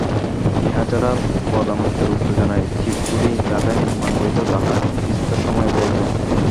ইহা ছাড়া বদান্যতার উত্তেজনায় ছিপ ঘুড়ি লাটাই নির্মাণ করিতেও তাঁহার বিস্তর সময় যাইত।